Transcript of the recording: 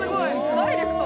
ダイレクト。